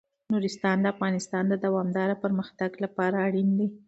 نورستان د افغانستان د دوامداره پرمختګ لپاره اړین دي.